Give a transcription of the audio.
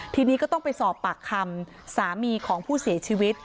ทีนี้ก็ต้องไปสอบปากคำสามีของผู้เสียชีวิต